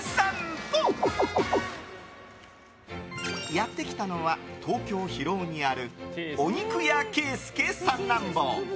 やってきたのは東京・広尾にあるお肉屋けいすけ三男坊。